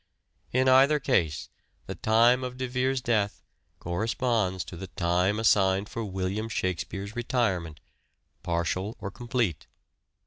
In either case the time of De Vere's death corresponds to the time assigned for William Shak spere's retirement, partial or complete.